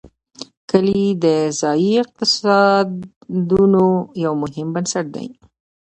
کلي د ځایي اقتصادونو یو مهم بنسټ دی.